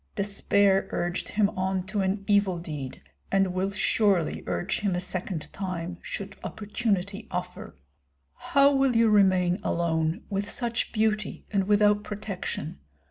Despair urged him on to an evil deed, and will surely urge him a second time, should opportunity offer. How will you remain alone, with such beauty and without protection?